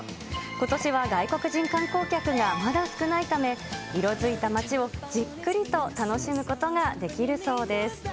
ことしは外国人観光客がまだ少ないため、色づいた街をじっくりと楽しむことができるそうです。